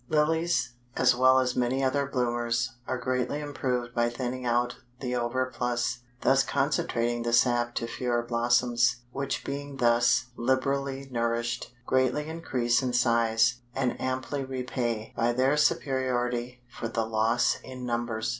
Lilies, as well as many other bloomers, are greatly improved by thinning out the overplus, thus concentrating the sap to fewer blossoms, which being thus liberally nourished, greatly increase in size, and amply repay, by their superiority, for the loss in numbers.